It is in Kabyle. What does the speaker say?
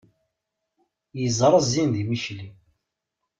Yeẓra zzin di Micli.